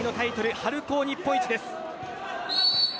春高日本一です。